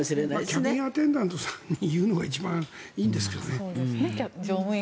キャビンアテンダントさんに言うのが一番いいんですけどね。